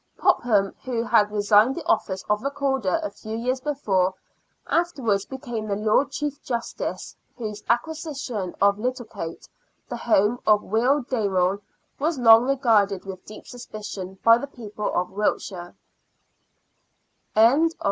Popham, who had resigned the office of Recorder a few years before, afterwards became the Lord Chief Justice, whose acquisi tion of Littlecote, the home of " Will Dayrell," was long regarded with deep suspicion by the people of Wiltshire, CHAPTER IX.